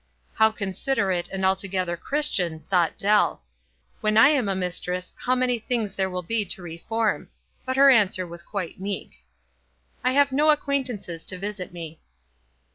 How considerate, and altogether Christian, thought Dell. When I am mistress how many things there will be to reform ; but her answer was quite meek. "I have no acquaintances to visit me."